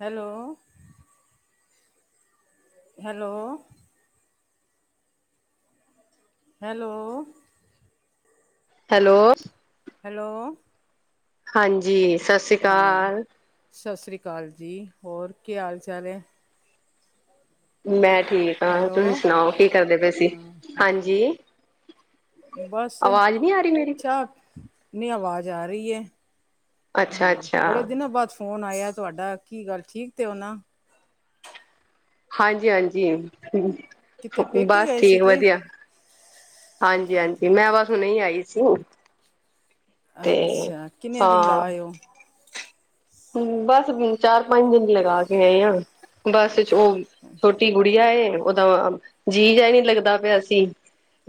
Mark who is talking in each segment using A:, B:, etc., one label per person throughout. A: Hello. Hello. Hello.
B: Hello.
A: Hello.
B: ਹਾਂਜੀ। ਸਤਿ ਸ੍ਰੀ
A: ਹਾਂ
B: ਅਕਾਲ
A: ਸਤਿ ਸ਼੍ਰੀ ਅਕਾਲ ਜੀ ਹੋਰ ਕੀ ਹਾਲ ਚਾਲ ਹੈ?
B: ਮੈਂ ਠੀਕ ਹਾਂ
A: ਹੈਲੋ
B: ਤੁਸੀਂ ਸੁਣਾਓ ਕੀ ਕਰਦੇ ਪਏ ਸੀ
A: ਹਾਂ
B: ਹਾਂਜੀ।
A: ਬਸ
B: ਆਵਾਜ਼ ਨਹੀਂ ਆ ਰਹੀ ਮੇਰੀ
A: ਚਾਹ ਆਵਾਜ਼ ਆ ਰਹੀ ਹੈ।
B: ਅੱਛਾ
A: ਹੋਰ
B: ਅੱਛਾ
A: ਬੜੇ ਦਿਨਾਂ ਬਾਅਦ ਫੋਨ ਆਇਆ ਤੁਹਾਡਾ ਕੀ ਗੱਲ ਠੀਕ ਤੇ ਹੋ ਨਾ।
B: ਹਾਂਜੀ ਹਾਂਜੀ
A: ਕਿੱਥੇ ਪੇਕੇ
B: ਬਸ
A: ਗਏ
B: ਠੀਕ
A: ਸੀਗੇ
B: ਵਧੀਆ। ਹਾਂਜੀ ਹਾਂਜੀ ਮੈਂ ਬਸ ਹੁਣੇ ਆਈ ਸੀ। ਤੇ
A: ਅੱਛਾ ਕਿੰਨੇ ਦਿਨ
B: ਹਾਂ
A: ਲਾਏਓ?
B: ਬਸ ਚਾਰ ਪੰਜ ਦਿਨ ਲਗਾ ਕੇ ਆਏ ਆ। ਬੱਸ ਉਹ ਛੋਟੀ ਗੁੜੀਆ ਏ ਓਦਾ ਜੀਅ ਜਿਹਾ ਨਹੀਂ ਲੱਗਦਾ ਪਿਆ ਸੀ।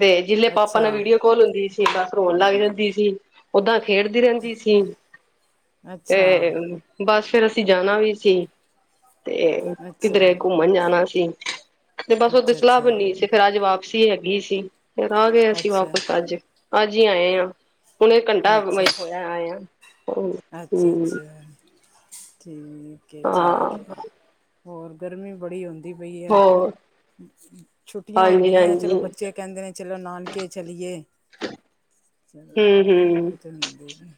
B: ਤੇ ਜਿਲੇ ਪਾਪਾ ਨਾਲ
A: ਅੱਛਾ
B: ਵੀਡੀਓ ਕਾਲ ਹੁੰਦੀ ਸੀ ਬਸ ਰੋਣ ਲੱਗ ਜਾਂਦੀ ਸੀ। ਓਦਾਂ ਖੇਡਦੀ ਰਹਿੰਦੀ ਸੀ ਤੇ
A: ਅੱਛਾ
B: ਬਸ ਫੇਰ ਅਸੀਂ ਜਾਣਾ ਵੀ ਸੀ ਤੇ
A: ਅੱਛਾ
B: ਕਿਧਰੇ ਘੁੰੰ ਘੁੰਮਣ ਜਾਣਾ ਸੀ ਤੇ ਬਸ ਉਹਦੀ
A: ਅੱਛਾ
B: ਸਲਾਹ
A: ਅੱਛਾ
B: ਬਨੀ ਸੀ ਫੇਰ ਅੱਜ ਵਾਪਸੀ ਹੈਗੀ ਸੀ। ਫਿਰ ਆ ਗਏ ਅਸੀਂ
A: ਅੱਛਾ
B: ਵਾਪਸ ਅੱਜ ਅੱਜ ਹੀ ਆਏ ਹਾਂ। ਹੁਣ ਘੰਟਾ ਮ
A: ਅੱਛਾ
B: ਹੋਇਆ ਆਏ ਆਂ
A: ਅੱਛਾ
B: ਹਮ।
A: ਅੱਛਾ ਠੀਕ ਠੀਕ
B: ਹਾਂ
A: ਹੈ ਹੋਰ ਗਰਮੀ ਬੜੀ ਹੁੰਦੀ। ਪਈ ਹੈ
B: ਹੋਰ
A: ਛੁੱਟੀਆਂ
B: ਹਾਂਜੀ
A: ਹੁੰਦੀਐਂ
B: ਹਾਂਜੀ
A: ਚਲੋ
B: ਹੂੰ
A: ਬੱਚੇ ਕਹਿੰਦੇ ਨੇ। ਚਲੋ ਨਾਨਕੇ ਚਲੀਏ।
B: ਹਮ।
A: ਧਦੇ। [unintelligible]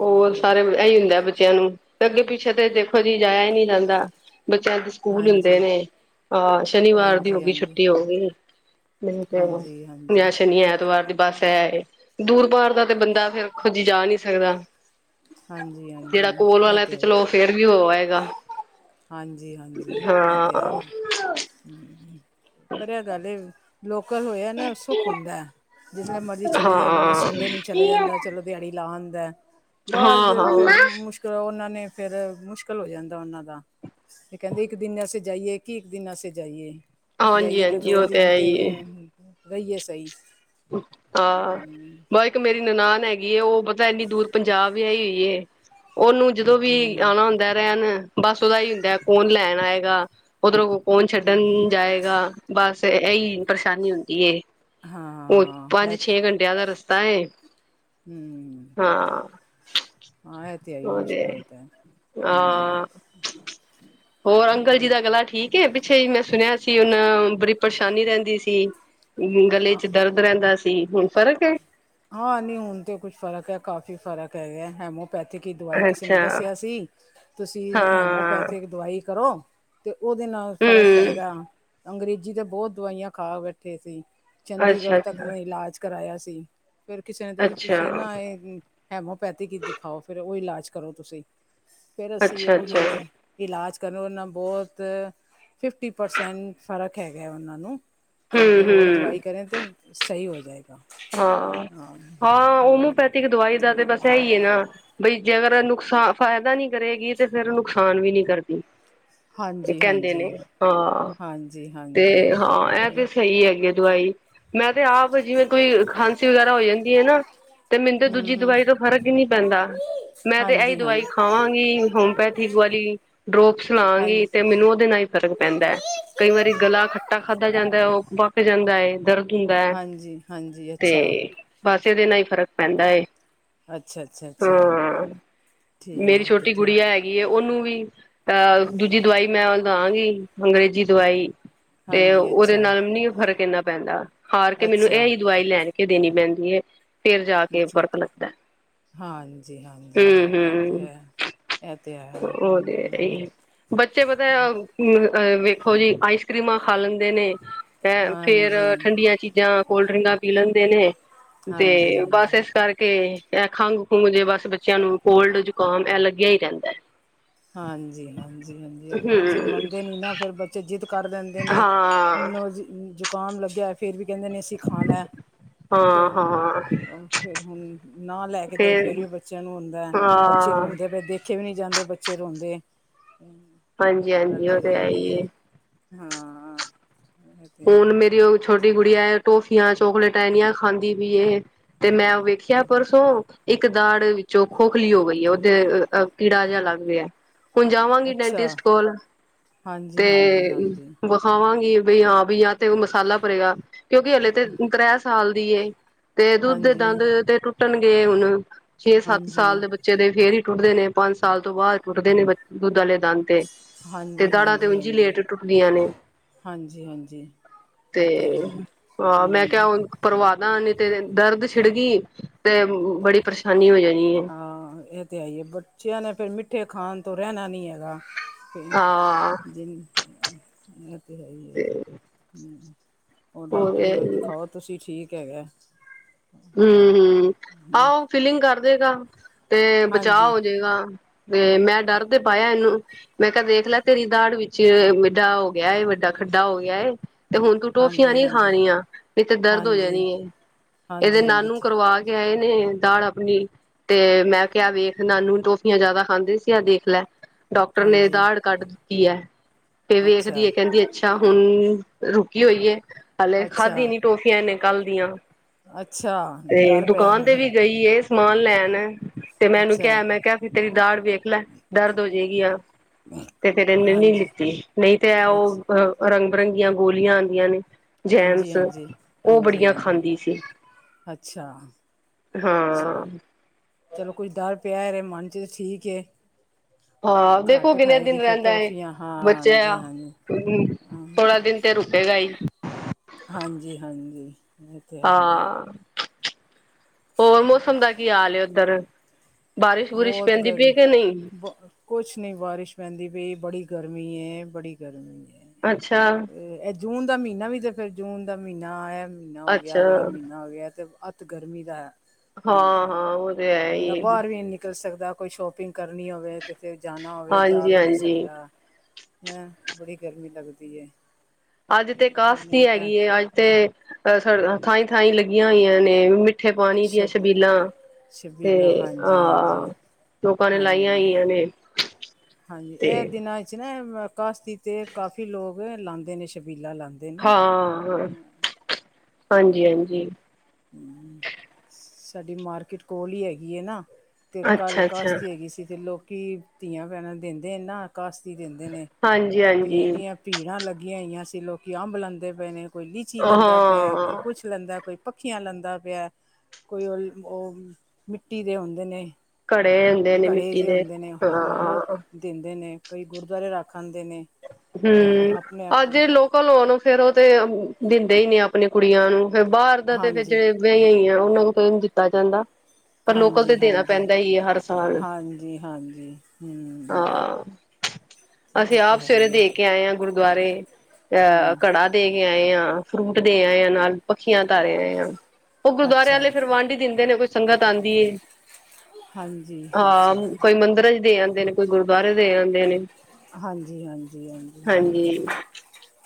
B: ਹੋਰ ਸਾਰੇ ਇਹੀ ਹੁੰਦੈ ਬੱਚਿਆਂ ਨੂੰ ਅੱਗੇ ਪਿੱਛੇ ਤੇ ਦੇਖੋ ਜੀ ਜਾਇਆ ਹੀ ਨਹੀਂ ਜਾਂਦਾ ਬੱਚਿਆਂ ਸਕੂਲ ਹੁੰਦੇ
A: ਹਾਂਜੀ
B: ਨੇ। ਆਂ, ਸ਼ਨੀਵਾਰ ਦੀ ਹੋ
A: ਹਾਂਜੀ
B: ਗੀ
A: ਹਾਂਜੀ
B: ਛੁੱਟੀ ਹੋ ਗੀ। ਨਈ, ਤੇ
A: ਹਾਂਜੀ
B: ਨ
A: ਹਾਂਜੀ
B: ਸ਼ਨੀ ਐਤਵਾਰ ਦੀ ਬਸ, ਐ ਏ। ਦੂਰ-ਬਾਰ ਦਾ, ਤੇ ਬੰਦਾ ਫੇਰ ਕਦੀ ਜਾ ਨੀ ਸਕਦਾ।
A: ਹਾਂਜੀ
B: ਜੇੜਾ
A: ਹਾਂਜੀ
B: ਕੋਲ
A: ਇਹ
B: ਵਾਲਾ ਏ,
A: ਤਾਂ
B: ਤੇ ਚਲੋ, ਓਹ ਫੇਰ ਵੀ ਹੋ ਆਏਗਾ।
A: ਹਾਂਜੀ-ਹਾਂਜੀ, ਐ
B: ਹਾਂ।
A: ਤੇ ਹੈ, ਪਰ ਐ ਗੱਲ ਏ। ਲੋਕਲ ਹੋਇਆ ਨਾ, ਸੁੱਖ ਹੁੰਦੈ। ਜਿਸਲੇ ਮਰਜ਼ੀ
B: ਹਾਂ, ਹਾਂ,
A: ਚਲੇ ਜਾ, ਬੰਦਾ
B: ਹਾਂ।
A: ਸੰਡੇ ਨੂੰ ਚਲੇ ਜਾਂਦੈ, ਚਲੋ। ਦੇਆੜੀ ਲਾ ਆਂਦੈ। ਬਾਹਰ ਦੇ, ਫੇਰ ਮੁਸ਼ਕਲ ਉਹਨਾਂ ਨੇ ਫੇਰ ਮੁਸ਼ਕਲ ਹੋ ਜਾਂਦੈ ਉਹਨਾਂ ਦਾ ਤੇ ਕਹਿੰਦੀ, ਇੱਕ ਦਿਨ ਅਸੀ ਜਾਈਏ, ਕਿ ਇੱਕ ਦਿਨ ਆਸਤੇ ਜਾਈਏ?
B: ਹਾਂਜੀ,
A: ਜਾਈਏ, ਤਾਂ
B: ਹਾਂਜੀ
A: ਦੋ
B: ਉਹ
A: ਦਿਨ
B: ਹੈ
A: ਤੇ
B: ਹੀ
A: ਰਈ ਏ ਸਈ।
B: ਆਂ, ਬ ਇੱਕ ਮੇਰੀ ਨਨਾਨ ਹੈਗੀ ਏ। ਉਹ ਪਤਾ ਇੰਨੀ ਦੂਰ ਪੰਜਾਬ ਵਿਆਈ ਹੋਈ ਏ। ਓਹਨੂੰ ਜਦੋਂ ਵੀ
A: ਹੂੰ।
B: ਆਂਣਾ ਹੁੰਦਾ ਦਾ ਰੈਣ, ਬਸ ਓਹਦਾ ਐਹੀ ਹੁੰਦੈ, ਕੌਣ ਲੈਣ ਆਏਗਾ। ਓਧਰੋਂ ਕੌਣ ਛੱਡਣ ਜਾਏਗਾ? ਬਸ, ਏਹੀ ਪਰਸ਼ਾਨੀ ਹੁੰਦੀ ਏ। ਔ,
A: ਹਾਂ
B: ਪੰਜ-ਛੇ ਘੰਟਿਆਂ ਦਾ ਰਸਤਾ ਏ।
A: ਹੁੰ। ਹਾਂ, ਐ ਤੇ ਹੈਈ।
B: ਉਹਦੇ
A: ਮੁਸ਼ਕਲ ਹੋਤਾ ਹੈ, ਹੁੰ।
B: ਹਾਂ ਹੋਰ, ਅੰਕਲ ਜੀ ਦਾ ਗਲਾ ਠੀਕ ਏ? ਪਿੱਛੇ ਜੀ ਮੈਂ ਸੁਣਿਆ ਸੀ, ਓਹਨਾਂ ਬੜੀ ਪਰਸ਼ਾਨੀ ਰੈਂਦੀ ਸੀ। ਗਲੇ ਚ ਦਰਦ ਰਹਿੰਦਾ ਸੀ, ਹੁਣ ਫ਼ਰਕ ਏ।
A: ਹਾਂ, ਨੀ, ਹੁਣ ਤੇ ਕੁਛ ਫਰਕ ਐ, ਕਾਫ਼ੀ ਫਰਕ ਹੈਗਾ। ਹੈਮੋ ਪੈਥਿਕ ਕੀ ਦਵਾਈ, ਕਿਸੇ ਨੇ
B: ਅੱਛਾ
A: ਦੱਸਿਆ ਸੀ, ਤੁਸੀਂ
B: ਹਾਂ
A: ਹੈਮੋਪੈਥਿਕ ਦਵਾਈ ਕਰੋ। ਤੇ ਓਹਦੇ ਨਾਲ ਫ਼ਰਕ
B: ਹਮ
A: ਪਏਗਾ। ਅੰਗਰੇਜ਼ੀ ਤੇ ਬੋਤ ਦਵਾਈਆਂ ਖਾ ਬੈਠੇ ਸੀ।
B: ਅੱਛਾ
A: ਚੰਡੀਗੜ੍ਹ ਤੱਕ
B: ਅੱਛਾ
A: ਦਾ ਇਲਾਜ ਕਰਾਇਆ ਸੀ। ਫੇਰ ਕਿਸੇ ਨੇ ਦੱਸ, ਤੁਸੀਂ
B: ਅੱਛਾ
A: ਨਾ ਏ ਹੈਮੋਪੈਥੀ ਈ ਦਿਖਾਓ। ਫਿਰ ਓਹ ਇਲਾਜ ਕਰੋ। ਤੁਸੀਂ, ਫੇਰ ਅਸੀਂ
B: ਅੱਛਾ ਅੱਛਾ
A: ਓਹੀ ਇਲਾਜ ਕਰਨ ਔ ਨਾ ਬਹੁਤ ਫਿਫਟੀ ਪਰਸੈਂਟ ਫ਼ਰਕ ਹੈਗਾ ਉਹਨਾਂ ਨੂੰ। ਤੇ ਹਜੇ
B: ਹਮ
A: ਹੋਰ
B: ਹਮ
A: ਦਵਾਈ ਕਰੇ, ਤੇ ਸਹੀ ਹੋ ਜਾਏ।
B: ਹਾਂ, ਹਾਂ, ਹੋਮਿਓਪੈਥਿਕ ਦਵਾਈ ਦਾ ਤੇ ਬਸ ਐ ਈ ਏ ਨਾ। ਬਈ, ਜੇ ਅਗਰ ਨੁਕਸਾਨ ਫ਼ਾਇਦਾ ਨੀ ਕਰੇਗੀ, ਤੇ ਫੇਰ ਨੁਕਸਾਨ ਵੀ ਨੀ ਕਰਦੀ।
A: ਹਾਂਜੀ
B: ਕਹਿੰਦੇ
A: ਹਾਂਜੀ
B: ਨੇ, ਹਾਂ।
A: ਹਾਂਜੀ ਹਾਂਜੀ
B: ਤੇ ਹਾਂ, ਐ ਤੇ ਸਹੀ ਹੈਗੇ। ਦਵਾਈ ਮੈਂ, ਤੇ ਆਪ ਜਿਵੇਂ ਕੋਈ ਖਾਂਸੀ ਵਗੈਰਾ ਹੋ ਜਾਂਦੀ ਏ ਨਾ, ਤੇ ਮੈਨੂੰ ਤੇ
A: ਹਮ
B: ਦੂਜੀ
A: ਹਮ
B: ਦਵਾਈ ਤੋਂ ਫ਼ਰਕ ਈ ਨੀ ਪੈਂਦਾ। ਮੈਂ ਤੇ ਅਈ
A: ਹਾਂਜੀ ਹਾਂਜੀ
B: ਦਵਾਈ ਖਾਵਾਂਗੀ, ਹੋਮਪੈਥਿਕ ਵਾਲੀ। ਡਰੋਪਸ ਲਵਾਂਗੀ,
A: ਹਾਂਜੀ
B: ਤੇ ਮੈਨੂੰ ਉਹਦੇ ਨਾਲ ਹੀ ਫ਼ਰਕ ਪੈਂਦਾ। ਕਈ ਵਾਰੀ ਗਲਾ, ਖੱਟਾ ਖਾਧਾ ਜਾਂਦਾ ਐ, ਉਹ ਪਕ ਜਾਂਦਾ ਏ ਦਰਦ ਹੁੰਦਾ ਐ।
A: ਹਾਂਜੀ। ਹਾਂਜੀ ਅੱਛਾ
B: ਤੇ ਬਸ, ਏਦੇ ਨਾਲ ਈ ਫ਼ਰਕ ਪੈਂਦਾ ਏ।
A: ਅੱਛਾ ਅੱਛਾ ਅੱਛਾ
B: ਹਾਂ, ਮੇਰੀ
A: ਠੀਕ
B: ਛੋਟੀ
A: ਠੀਕ
B: ਗੁੜੀਆ ਹੈਗੀ ਗੀ ਉਹਨੂੰ ਵੀ, ਅ ਦੂਜੀ ਦਵਾਈ ਮੈਂ ਦਵਾਂਗੀ, ਅੰਗਰੇਜ਼ੀ ਦਵਾਈ। ਤੇ
A: ਹਾਂਜੀ
B: ਉਹਦੇ
A: ਅੱਛਾ
B: ਨਾਲ ਨੀ ਫ਼ਰਕ ਇੰਨਾ ਪੈਂਦਾ। ਹਾਰ ਕੇ, ਮੈਨੂੰ
A: ਅੱਛਾ
B: ਐਈ ਦਵਾਈ ਲੈਣ ਕੇ ਦੇਣੀ ਪੈਂਦੀ ਏ। ਫੇਰ ਜਾ ਕੇ ਫ਼ਰਕ ਲੱਗਦਾ। ਹਮ
A: ਹਾਂਜੀ-ਹਾਂਜੀ, ਐ ਤੇ
B: ਹਮ
A: ਹੈ। ਐ ਤੇ ਹੈ।
B: ਉਹ ਤੇ ਹੈ ਬੱਚੇ ਪਤਾ ਅ ਵੇਖੋ ਜੀ, ਆਈਸਕ੍ਰੀਮਾ ਖਾ ਲੈਂਦੇ ਨੇ, ਹੈ ਫੇਰ
A: ਹਾਂਜੀ ਹਾਂਜੀ
B: ਠੰਡੀਆਂ ਚੀਜ਼ਾਂ ਕੋਲਡਰਿੰਕਾਂ ਪੀ ਲੈਂਦੇ ਨੇ,
A: ਹਾਂਜੀ
B: ਤੇ ਬਸ
A: ਹਾਂਜੀ
B: ਇਸ ਕਰਕੇ ਕੇ ਐ ਖੰਘ-ਖੁੰਘ, ਜੇ ਬਸ ਬੱਚਿਆਂ ਨੂੰ ਕੋਲਡ ਜ਼ੁਕਾਮ ਐ ਲੱਗਿਆ ਈ ਰਹਿੰਦਾ ਐ।
A: ਹਾਂਜੀ, ਹਾਂਜੀ, ਹਾਂਜੀ। ਉਹ ਬੱਚੇ
B: ਹਮ
A: ਮੰਨਦੇ ਨੀ ਨਾ ਫਿਰ ਜਿਦੱ ਕਰ ਲੈੰਦੇ ਨੇ,
B: ਹਾਂ
A: ਨੋਜੀ ਜ਼ੁਕਾਮ ਲੱਗਿਆ। ਫਿਰ ਵੀ ਕਹਿੰਦੇ ਨੇ ਅਸੀਂ ਖਾਣਾ।
B: ਹਾਂ-ਹਾਂ।
A: ਫੇਰ ਹੁਣ ਨਾ ਲੈ ਕੇ ਦੇ, ਫੇਰ ਵੀ ਬੱਚਿਆਂ ਨੂੰ ਹੁੰਦਾ। ਬੱਚੇ
B: ਹਾਂ
A: ਰੋਂਦੇ ਪੇ ਦੇਖ ਦੇਖੇ ਨੀ ਜਾਂਦੇ ਬੱਚੇ ਰੋਂਦੇ,
B: ਹਾਂਜੀ
A: ਇਹ ਗੱਲ
B: ਹਾਂਜੀ
A: ਹੋ
B: ਉਹ ਤੇ ਹੈ
A: ਜਾਂਦੀ
B: ਹੀ
A: ਏ।
B: ਹੈ
A: ਹਾਂ। ਇਹ ਤੇ ਹੈ
B: ਹੁਣ
A: ਹੀ ਹੈ
B: ਮੇਰੀ ਓ ਛੋਟੀ ਗੁੜੀਆਂ ਏ ਟੋਫੀਆਂ, ਚੋਕਲੇਟਾਂ ਐਨੀਆਂ ਖਾਂਦੀ ਵੀਈ ਇਹ ਤੇ ਮੈਂ ਵੇਖਿਆ ਪਰਸੋ, ਇੱਕ ਦਾੜ ਵਿੱਚੋਂ ਖੋਖਲੀ ਹੋ ਗਈ ਐ ਓਹਦੇ ਕੀੜਾ ਜਾ ਲੱਗ ਗਿਆ। ਹੁਣ ਜਾਵਾਂਗੀ
A: ਅੱਛਾ
B: ਡੈਂਟਿਸਟ ਕੋਲ
A: ਹਾਂਜੀ
B: ਤੇ
A: ਹਾਂਜੀ ਹਾਂਜੀ
B: ਖਾਵਾਂਗੀ ਬਈ ਹਾਂ ਬੀ ਯਾ ਤੇ ਓ ਮਸਾਲਾ ਭਰੇਗਾ ਕਿਉਂਕਿ ਹਲੇ ਤੇ ਤ੍ਰੈ ਸਾਲ ਦੀ ਏ। ਤੇ ਦੁੱਧ ਦੇ
A: ਹਾਂਜੀ
B: ਦੰਦ ਤੇ ਟੁੱਟਣਗੇ ਹੁਣ, ਛੇ-ਸੱਤ
A: ਹਾਂਜੀ
B: ਸਾਲ ਦੇ ਬ ਬੱਚੇ ਦੇ ਫੇਰ ਈ ਟੁੱਟਦੇ ਨੇ ਪੰਜ ਸਾਲ ਤੋਂ ਬਾਦ ਟੁੱਟਦੇ ਨੇ ਬੇ ਦੁੱਧ ਆਲੇ ਦੰਦ। ਤੇ-ਤੇ
A: ਹਾਂਜੀ
B: ਦਾੜਾਂ ਤੇ ਉੰਝ ਈ ਲੇਟ ਟੁੱਟਦੀਆਂ ਨੇ।
A: ਹਾਂਜੀ-ਹਾਂਜੀ
B: ਤੇ, ਹਾਂ ਮੈਂ ਕਿਹਾ ਹੁਣ ਭਰਵਾ ਦਾ ਨਹੀ ਤੇ ਦਰਦ ਛਿੜਗੀ ਤੇ ਬੜੀ ਪਰੇਸ਼ਾਨੀ ਹੋ ਜਾਣੀ ਏ।
A: ਹਾਂ ਏ ਤੇ ਹੈ ਐ ਬੱਚਿਆਂ ਨੇ ਫਿਰ ਮਿੱਠੇ ਖਾਣ ਤੋਂ ਰਹਿਣਾ ਨੀ ਹੈਗਾ। ਕੇ
B: ਹਾਂ
A: ਜਨ [unintelligible] ਐ ਤੇ ਹੈ ਈ ਐ
B: ਤੇ
A: ਹੂੰ। ਓਹ
B: ਹੋਰ
A: ਡਾਕਟਰ ਨੂੰ
B: ਹਮ
A: ਦਿਖਾਓ ਤੁਸੀਂ ਠੀਕ ਹੈਗਾ।
B: ਹੂੰ-ਹੂੰ ਆਓ ਫੀਲਿੰਗ ਕਰ ਦੇਏਗਾ ਤੇ ਬਚਾਅ
A: ਹਾਂਜੀ
B: ਹੋ ਜਾਏਗਾ। ਤੇ ਮੈਂ ਡਰ ਦੇ ਪਾਇਆ ਇਹਨੂੰ ਮੈਂ ਕਿਹਾ ਦੇਖ ਲੈ ਤੇਰੀ ਦਾੜ ਵਿੱਚ ਚ ਮਿੱਢਾ ਹੋ ਗਿਆ ਐ ਵੱਡਾ ਖੱਡਾ ਹੋ ਗਿਆ ਏ। ਤੇ ਹੁਣ ਤੂੰ ਟੋਫੀਆਂ
A: ਹਾਂਜੀ
B: ਨੀ
A: ਹਾਂਜੀ
B: ਖਾਣੀਆਂ ਨਹੀ ਤੇ ਦਰਦ ਹੋ
A: ਹਾਂਜੀ
B: ਜਾਣੀ ਏ। ਇਹਦੇ
A: ਹਾਂਜੀ ਹਾਂਜੀ
B: ਨਾਨੂੰ
A: ਠੀ
B: ਕਰਵਾ ਕੇ ਆਏ ਨੇ ਦਾੜ ਆਪਣੀ। ਤੇ ਮੈਂ ਕਿਹਾ ਵੇਖ ਨਾਨੂੰ ਟੋਫੀਆਂ ਜਿਆਦਾ ਖਾਂਦੇ ਸੀ ਆ ਦੇਖ ਲੈ। ਡਾਕਟਰ ਨੇ
A: ਹਾਂਜੀ
B: ਦਾੜ ਕੱਢ ਦਿੱਤੀ ਐ, ਤੇ ਵੇਖਦੀ
A: ਅੱਛਾ
B: ਐ ਕਹਿੰਦੀ ਐ ਅੱਛਾ ਹੁਣ ਰੁਕੀ ਹੋਈਏ, ਹਲੇ ਖਾਧੀ
A: ਅੱਛਾ
B: ਨੀ ਟੋਫੀਆਂ ਇਹਨੇ ਕੱਲ ਦੀਆਂ।
A: ਅੱਛਾ।
B: ਤੇ
A: ਡਰ ਪਿਆ
B: ਦੁਕਾਨ ਤੇ ਵੀ ਗਈ ਏ ਸਮਾਨ ਲੈਣ। ਤੇ ਮੈਂ ਉਹਨੂੰ
A: ਅੱਛਾ
B: ਕਿਹਾ ਮੈਂ ਕਿਹਾ ਤੇਰੀ ਦਾੜ ਵੇਖ ਲੈ ਦਰਦ ਹੋਜੇਗੀ ਆ। ਤੇ ਫਿਰ ਇਹਨੇ ਨਹੀਂ
A: ਹਾਂਜੀ
B: ਲਿੱਤੀ ਨਹੀਂ ਤੇ ਐ
A: ਅੱਛ
B: ਉਹ ਰੰਗ-ਬਿਰੰਗੀਆਂ ਗੋਲੀਆਂ ਆਉਂਦੀਆਂ ਨੇ।
A: ਹਾਂਜੀ
B: ਜੈਮਸ
A: ਹਾਂਜੀ
B: ਉਹ
A: ਹਾਂਜੀ
B: ਬੜੀਆਂ
A: ਹਾਂਜੀ
B: ਖਾਂਦੀ ਸੀ।
A: ਅੱਛਾ।
B: ਹਾਂ।
A: ਚਲੋ ਕੋਈ ਡਰ ਪਿਆ ਇਹਦੇ ਮਨ ਚ ਤੇ ਠੀਕ ਏ।
B: ਹਾਂ ਦੇਖੋ ਕਿੰਨੇ ਦਿਨ
A: ਫਿਰ
B: ਰਹਿੰਦਾ ਏ
A: ਟੋਫੀਆਂ
B: ਬੱਚੇ
A: ਹਾਂਜੀ
B: ਆ।
A: ਹਾਂਜੀ ਹਾਂ
B: ਥੋੜਾ ਦਿਨ ਤੇ ਰੁਕੇਗਾ ਈ।
A: ਹਾਂਜੀ-ਹਾਂਜੀ ਇਹ ਤੇ ਹੈ ਈ ਐ।
B: ਹਾਂ ਹੋਰ ਮੌਸਮ ਦਾ ਕੀ ਹਾਲ ਐ ਉਧਰ ਬਾਰਿਸ਼ ਬੁਰਿਸ਼ ਪੈਂਦੀ ਪਈ ਐ ਕਿ ਨਹੀਂ?
A: ਕੁੱਛ ਨਹੀਂ ਬਾਰਿਸ਼ ਪੈਂਦੀ ਪਈ ਬੜੀ ਗਰਮੀ ਏ ਬੜੀ ਗਰਮੀ ਏ।
B: ਅੱਛਾ।
A: ਤੇ ਇਹ ਜੂਨ ਦਾ ਮਹੀਨਾ ਵੀ ਤੇ ਫਿਰ ਜੂਨ ਦਾ ਮਹੀਨਾ ਇਹ ਮਹੀਨਾ ਹੋ ਗਿਆ
B: ਅੱਛਾ
A: ਅਗਲਾ ਮਹੀਨਾ ਹੋ ਗਿਆ ਤੇ ਅ ਤੇ ਗਰਮੀ ਦਾ ਹੁੰਦਾ
B: ਹਾਂ-ਹਾਂ ਉਹ ਤੇ ਹੈ
A: ਬੰਦਾ
B: ਹੀ
A: ਬਾਹਰ ਵੀ ਨਹੀਂ ਨਿਕਲ ਸਕਦਾ ਕੋਈ ਸ਼ੋਪਿੰਗ ਕਰਨੀ ਹੋਵੇ। ਤੇ ਜਾਣਾ ਹੋਵੇ ਜਾ
B: ਹਾਂਜੀ
A: ਵੀ ਨਹੀਂ
B: ਹਾਂਜੀ
A: ਸਕਦਾ ਹੈਂ ਬੜੀ ਗਰਮੀ ਲੱਗਦੀ ਏ।
B: ਅੱਜ ਤੇ ਕਾਰਸ਼ੀ ਹੈਗੀ ਏ ਅੱਜ ਤੇ ਅਹ ਥਾਈ ਥਾਈ ਲੱਗੀਆਂ ਹੋਈਆਂ ਨੇ ਮਿ ਠੇ ਪਾਣੀ
A: ਛ
B: ਦੀਆਂ ਛਬੀਲਾਂ ਤੇ
A: ਛਬੀਲਾ ਹਾਂਜੀ
B: ਹਾਂ।
A: ਹਾਂਜੀ
B: ਲੋਕਾਂ ਨੇ ਲਾਈਆਂ
A: ਹਾਂਜੀ
B: ਹੋਈਆਂ ਨੇ।
A: ਹਾਂਜੀ
B: ਤੇ
A: ਇਹ ਦਿਨਾਂ ਵਿੱਚ ਨਾ ਕਾਸ਼ਤੀ ਤੇ ਕਾਫ਼ੀ ਲੋਕ ਲਾਉਂਦੇ ਨੇ ਛਬੀਲਾਂ ਲਾਂ
B: ਹਾਂ ਹਾਂਜੀ-ਹਾਂਜੀ।
A: ਸਾਡੀ ਮਾਰਕੀਟ ਕੋਲ ਹੀ ਹੈਗੀ ਐ ਨਾ। ਤੇ ਕੱਲ੍ਹ
B: ਅੱਛਾ ਅੱਛਾ
A: ਕਾਸ਼ਤੀ ਹੈਗੀ ਸੀ ਤੇ ਲੋਕੀ ਧੀਆਂ ਭੈਣਾਂ ਦਿੰਦੇ ਨੇ ਨਾ। ਕਾਸ਼ਤੀ ਦਿੰਦੇ ਨੇ
B: ਹਾਂਜੀ
A: ਤੇ
B: ਹਾਂਜੀ
A: ਏਡੀਆਂ ਭੀੜਾਂ ਲੱਗੀਆਂ ਹੋਈਆਂ ਸੀ ਲੋਕੀ ਅੰਬ ਲੈਂਦੇ ਪਏ ਨੇ। ਕੋਈ ਲੀਚੀ ਲੈਂਦਾ ਪਿਆ ਐ ਕੋਈ
B: ਹਾਂ
A: ਕੁੱਛ ਲੈਂਦਾ ਕੋਈ ਪੱਖੀਆਂ ਲੈਂਦਾ ਪਿਆ ਐ। ਕੋਈ ਉਹ ਉਹ ਮਿੱਟੀ ਦੇ ਹੁੰਦੇ ਨੇ।
B: ਘੜੇ ਹੁੰਦੇ ਨੇ
A: ਘੜੇ
B: ਮਿੱਟੀ
A: ਜਿਹੇ
B: ਦੇ
A: ਹੁੰਦੇ ਨੇ ਹਾਂ ਉਹ
B: ਹ
A: ਦਿੰਦੇ ਨੇ ਕਈ ਗੁਰਦੁਆਰੇ ਰੱਖ ਆਂਦੇ ਨੇ। ਲੈ
B: ਹੂੰ,
A: ਆਪਣੇ ਆਪ
B: ਅਜੇ ਲੋਕ ਲੋਂ ਨੂੰ ਫਿਰ ਉਹ ਤੇ ਦਿੰਦੇ ਹੀ ਨੇ ਆਪਣੇ ਕੁੜੀਆਂ ਨੂੰ ਫਿਰ ਬਾਹਰ ਦਾ ਤੇ ਫਿਰ
A: ਹਾਂਜੀ
B: ਜਿਹੜੇ ਵਿਆਹੀਆਂ ਆ ਉਹਨਾਂ ਨੂੰ ਕਦੇ ਨਹੀਂ ਦਿੱਤਾ ਜਾਂਦਾ। ਪਰ ਲੋਕਾਂ ਨੂੰ
A: ਹਾਂਜੀ
B: ਤੇ ਦੇਣਾ
A: ਹਾਂਜੀ
B: ਪੈਂਦਾ ਹੀ ਹੈ ਹਰ ਸਾਲ
A: ਹਾਂਜੀ ਹਾਂਜੀ ਹੂੰ
B: ਹਾਂ।
A: ਇਹ
B: ਅਸੀਂ
A: ਤਾਂ
B: ਆਪ
A: ਹੈ
B: ਸਵੇਰੇ
A: ਹੀ ਆ
B: ਦੇ ਕੇ ਆਏ ਹਾਂ ਗੁਰਦੁਆਰੇ ਅਹ
A: ਹੂੰ
B: ਘੜਾ ਦੇ ਕੇ ਆਏ ਆ। ਫਰੂਟ ਦੇ ਆਏ ਆ ਨਾਲ ਪੱਖੀਆਂ ਧਰ ਆਏ ਆ। ਉਹ ਗੁਰਦੁਆਰੇ
A: ਅੱਛਾ
B: ਵਾਲੇ ਫਿਰ ਵੰਡ ਈ ਦਿੰਦੇ ਨੇ ਕੋਈ ਸੰਗਤ ਆਉਂਦੀ ਹੈ
A: ਹਾਂਜੀ
B: ਹਾਂ।
A: ਅੱਛਾ
B: ਕੋਈ ਮੰਦਿਰਾਂ ਚ ਦੇ ਆਉਂਦੇ ਨੇ ਕੋਈ ਗੁਰਦੁਆਰੇ ਦੇ ਆਉਂਦੇ ਨੇ।
A: ਹਾਂਜੀ ਹਾਂਜੀ ਹਾਂਜੀ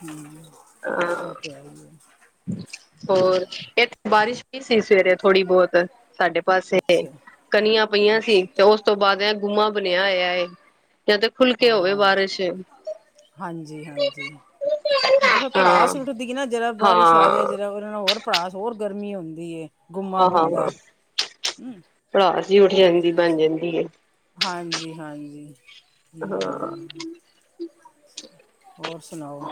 A: ਹੂੰ।
B: ਹਾਂ
A: ਉਹ ਤੇ ਹੈ ਈ ਹੈ।
B: ਹੋਰ ਇਹ ਤੇ ਬਾਰਿਸ਼ ਸੀ ਸਵੇਰੇ ਥੋੜੀ ਬਹੁਤ ਸਾਡੇ ਪਾਸੇ
A: ਅੱਛਾ
B: ਕਣੀਆਂ ਪਈਆਂ ਸੀ ਤੇ ਉਸ ਉਸ ਤੋਂ ਬਾਅਦ ਇਹ ਗੁਮਾ ਬਣਿਆ ਹੋਇਆ ਏ ਜਾਂ ਤੇ ਖੁੱਲ ਕੇ ਹੋਵੇ
A: ਹਾਂ
B: ਬਾਰਿਸ਼।
A: ਹਾਂਜੀ ਹਾਂਜੀ ਉਹ ਫਿਰ ਭੜਾਸ
B: ਹਾਂ
A: ਸੁੱਟ ਨਾ ਜਿਹੜਾ
B: ਹਾਂ
A: ਬਾਰਿਸ਼ ਆ ਜਾਏ ਜਿਹੜਾ
B: ਹਾਂ
A: ਉਹ ਨਾਲ ਹੋਰ ਭੜਾਸ ਹੋਰ ਗਰਮੀ ਹੁੰਦੀ ਹੈ।
B: ਹਾਂ ਹਾਂ ਹਾਂ ਭੜਾਸ ਵੀ ਉੱਠ
A: ਤੇ ਇਹ
B: ਜਾਂਦੀ
A: ਦਿਨਾਂ
B: ਬਣ
A: 'ਚ
B: ਜਾਂਦੀ ਹੈ।
A: ਹਾਂਜੀ ਹਾਂਜੀ, ਹੂੰ।
B: ਹਾਂ
A: ਹੋਰ ਸੁਣਾਓ?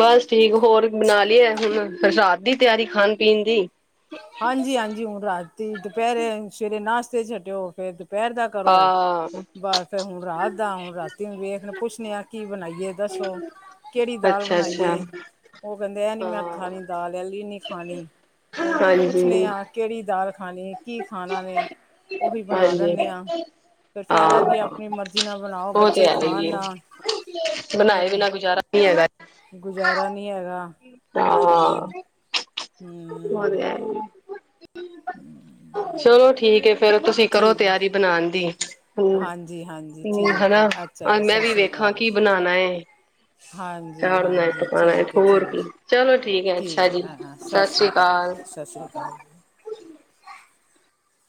B: ਬਸ ਠੀਕ ਹੋਰ ਬਣਾ ਲਈ ਐ ਹੁਣ ਰਾਤ ਦੀ ਤਿਆਰੀ ਖਾਣ ਪੀਣ ਦੀ।
A: ਹਾਂਜੀ ਹਾਂਜੀ ਹੁਣ ਰਾਤੀ ਦੁਪਹਿਰੇ ਸਵੇਰੇ ਨਾਸ਼ਤੇ ਛੱਡਿਓ ਫਿਰ ਦੁਪਹਿਰ ਦਾ ਕਰੋ
B: ਹਾਂ
A: ਬਸ ਫਿਰ ਹੁਣ ਰਾਤ ਦਾ ਹੁਣ ਰਾਤੀ ਨੂੰ ਵੇਖਣ ਪੁੱਛਣੇ ਆ ਕੀ ਬਣਾਈਏ।। ਦੱਸੋ ਕਿਹੜੀ ਦਾਲ
B: ਅੱਛਾ ਅੱਛਾ
A: ਬਣਾਈਏ ਉਹ ਕਹਿੰਦੇ ਇਹ ਨੀ ਮੈਂ ਖਾਂ
B: ਹਾਂ
A: ਨ ਦਾਲ ਇਹੀ ਖਾਣੀ ਹੁਣ
B: ਹਾਂਜੀ
A: ਪੁੱਛਣੇ ਆ ਕਿਹੜੀ ਦਾਲ ਖਣੀ ਕੀ ਖਾਣਾ ਨੇ। ਉਹੀ ਬਣਾ
B: ਹਾਂਜੀ
A: ਦਿੰਦੇ ਹਾਂ ਫਿਰ ਫਾਇਦਾ ਕੀ
B: ਹਾਂ
A: ਆਪਣੀ ਮਰਜ਼ੀ ਨਾਲ ਬਣਾਓ
B: ਉਹ ਤੇ
A: ਬੱਚੇ
B: ਹੈ
A: ਖਾਣ
B: ਹੀ ਏ
A: ਨਾਲ
B: ਬਣਾਏ
A: ਫੇਰ
B: ਬਿਨਾ ਗੁਜ਼ਾਰਾ ਨਹੀਂ ਹੈਗਾ
A: ਗੁਜ਼ਾਰਾ ਨੀ ਹੈਗਾ
B: ਹਾਂ
A: ਹਾਂਜੀ। ਹੂੰ।
B: ਹੋਰ ਚਲੋ ਠੀਕ ਹੈ ਫੇਰ ਤੁਸੀਂ ਕਰੋ
A: ਠੀਕ ਹੈ
B: ਤਿਆਰੀ ਬਣਾਉਣ ਦੀ। ਹੂੰ
A: ਹਾਂਜੀ
B: -
A: ਹਾਂਜੀ
B: ਹੂੰ
A: ਠੀਕ
B: ਹੈਨਾ
A: ਹੈ ਅੱਛਾ ਜੀ
B: ਮੈਂ
A: ਸਤਿ
B: ਵੀ
A: ਸ਼੍ਰੀ
B: ਵੇਖਾਂ
A: ਅਕਾਲ
B: ਕੀ
A: ਜੀ
B: ਬਣਾਣਾ ਹੈ।
A: ਹਾਂਜੀ
B: ਚਾੜਨਾ
A: ਹਾਂਜੀ
B: ਪਣਾ
A: ਠੀਕ ਹੈ
B: ਹੋਰ ਕੀ
A: ਠੀਕ
B: ਚਲੋ ਠੀਕ ਹੈ ਅੱਛਾ ਜੀ
A: ਹਾਂ ਹਾਂ
B: ਸਤਿ ਸ੍ਰੀ
A: ਸ਼੍ਰੀ
B: ਅਕਾਲ।
A: ਸਤਿ ਸ਼੍ਰੀ
B: ਕਾਲ।
A: ਅਕਾਲ